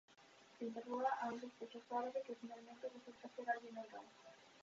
Se interroga a un sospechoso árabe que finalmente resulta ser alguien honrado.